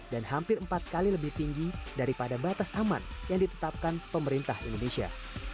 dan hampir empat kali lebih tinggi daripada batas aman yang ditetapkan pemerintah indonesia